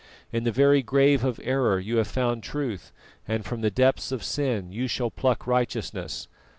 In the very grave of error you have found truth, and from the depths of sin you shall pluck righteousness.